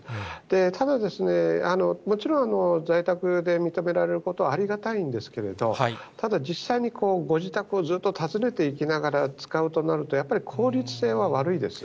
ただ、もちろん在宅で認められることはありがたいんですけど、ただ、実際にご自宅をずっと訪ねていきながら使うとなると、やっぱり効率性は悪いです。